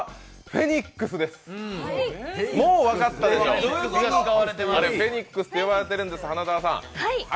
フェニックスって呼ばれているんです。